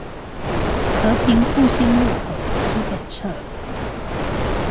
和平復興路口西北側